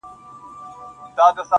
تک سپين کالي کړيدي_